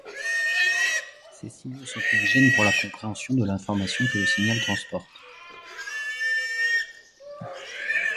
Ces signaux sont une gêne pour la compréhension de l'information que le signal transporte.